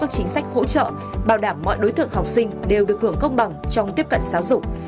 chính sách hỗ trợ bảo đảm mọi đối tượng học sinh đều được hưởng công bằng trong tiếp cận giáo dục